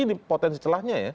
ini potensi celahnya ya